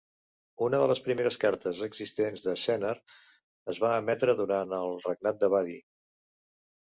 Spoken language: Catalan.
Una de les primeres cartes existents de Sennar es va emetre durant el regnat de Badi.